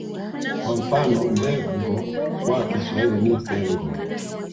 Kwa mfano Mbengo kwa Kiswahili ni Pengo